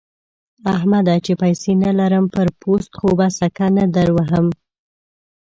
احمده! چې پيسې نه لرم؛ پر پوست خو به سکه نه دروهم.